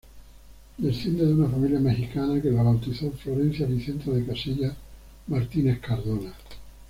Desciende de una familia mexicana que la bautizó Florencia Vicenta de Casillas Martínez Cardona.